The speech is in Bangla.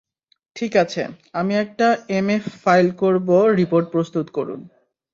ঠিক আছে, আমি একটা এমএফ ফাইল করব রিপোর্ট প্রস্তুত করুন।